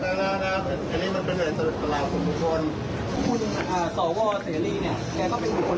ผมก็ให้เป็นทางสาธารณะนะครับอันนี้มันเป็นเหตุผลของทุกคน